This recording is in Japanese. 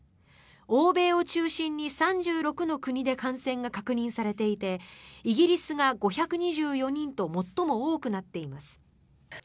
欧米を中心に３６の国で感染が確認されていてイギリスが５２４人と最も多くなっています。